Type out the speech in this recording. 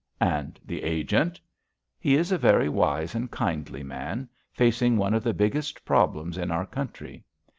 And the agent? He is a very wise and kindly man, facing one of the biggest problems in our country.